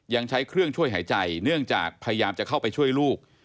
ยังใช้เครื่องช่วยหายใจเนื่องจากพยายามจะเข้าไปช่วยลูก